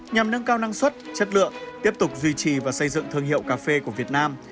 nhằm nâng cao năng suất chất lượng tiếp tục duy trì và xây dựng thương hiệu cà phê của việt nam